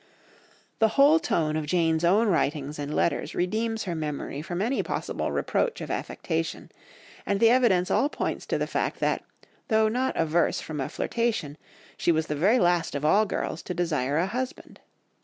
The whole tone of Jane's own writings and letters redeems her memory from any possible reproach of affectation, and the evidence all points to the fact that, though not averse from a flirtation, she was the very last of all girls to desire a husband!